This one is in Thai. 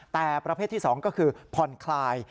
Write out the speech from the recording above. แต่ประเภทที่๒ก็คือผ่อนคลาย